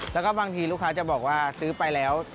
แล้วก็บางทีลูกค้าจะบอกว่าซื้อไปแล้ว